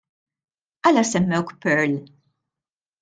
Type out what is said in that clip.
Għala semmewk Pearl?